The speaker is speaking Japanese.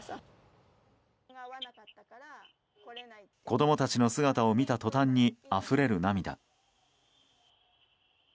子供たちの姿を見たとたんにあふれる涙。